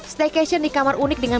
staycation di kamar unik dengan